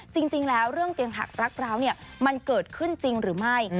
จริงแล้วเรื่องเตียงหักรักร้าวเนี่ยมันเกิดขึ้นจริงหรือไม่